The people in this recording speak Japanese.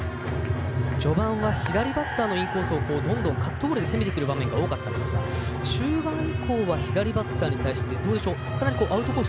序盤は左バッターのインコースをどんどんカットボールで攻めてくる場面が多かったんですが中盤以降は左バッターに対してかなりアウトコース